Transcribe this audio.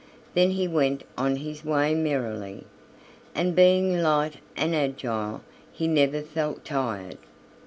Then he went on his way merrily, and being light and agile he never felt tired.